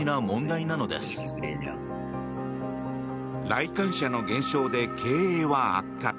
来館者の減少で経営は悪化。